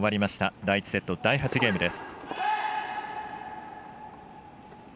第１セット第８ゲームです。